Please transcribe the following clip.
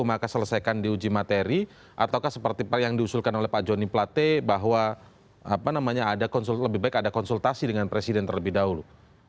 maka selesaikan diuji materi ataukah seperti yang diusulkan oleh pak joni plate bahwa lebih baik ada konsultasi dengan presiden terlebih dahulu